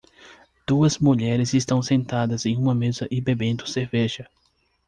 Duas mulheres estão sentadas em uma mesa e bebendo cerveja.